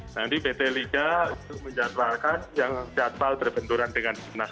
nanti pt liga menjatuhkan yang jabal berbenturan dengan siknas